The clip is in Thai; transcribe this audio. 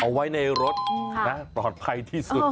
เอาไว้ในรถปลอดภัยที่สุด